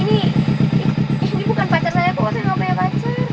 ini bukan pacar saya kok saya gak banyak pacar